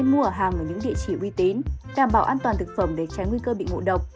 mua hàng ở những địa chỉ uy tín đảm bảo an toàn thực phẩm để tránh nguy cơ bị ngộ độc